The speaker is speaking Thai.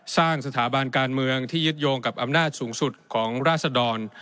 สร้างสถาบันการเมืองที่ยึดโยงกับอำนาจสูงสุดของราศดร